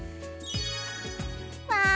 わあ！